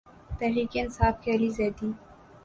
تحریک انصاف کے علی زیدی